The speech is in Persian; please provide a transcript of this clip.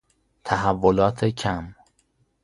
تحولات کم